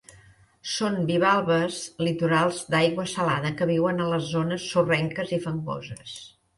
Són bivalves litorals d'aigua salada que viuen a les zones sorrenques i fangoses.